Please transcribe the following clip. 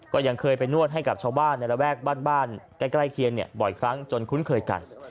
ก็ยังเคยไปนวดให้กับชาวบ้านในระแวกบ้านใกล้เคียงบ่อยครั้งจนคุ้นเคยกัน